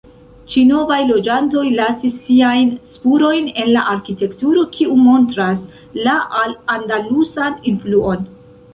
Ĉi novaj loĝantoj lasis siajn spurojn en la arkitekturo kiu montras la al-andalusan influon.